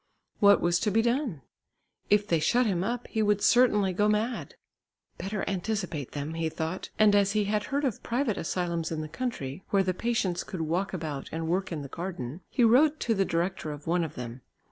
What was to be done? If they shut him up, he would certainly go quite mad. "Better anticipate them," he thought, and as he had heard of private asylums in the country, where the patients could walk about and work in the garden, he wrote to the director of one of them.